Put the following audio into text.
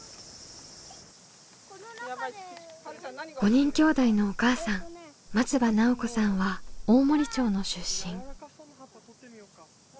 ５人きょうだいのお母さん松場奈緒子さんは大森町の出身。